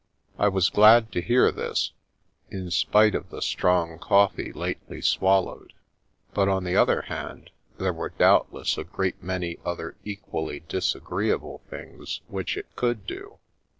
I was glad to hear this, in spite of the strong cof fee lately swallowed, but on the other hand there were doubtless a great many other equally disagreea ble things which it could do.